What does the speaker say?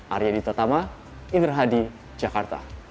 arya dita tama indra hadi jakarta